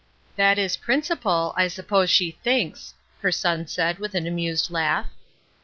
"That is principle, I suppose she thinks," her son said, with an amused laugh.